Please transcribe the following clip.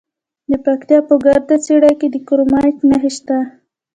د پکتیا په ګرده څیړۍ کې د کرومایټ نښې شته.